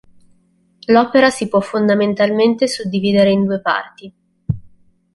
L'opera si può fondamentalmente suddividere in due parti.